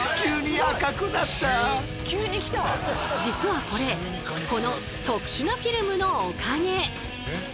実はこれこの特殊なフィルムのおかげ。